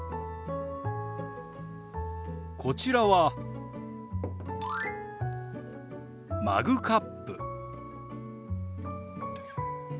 こちらはマグカップ。